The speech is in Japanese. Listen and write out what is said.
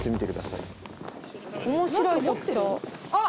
面白い特徴あっ！